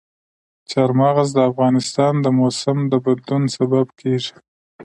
چار مغز د افغانستان د موسم د بدلون سبب کېږي.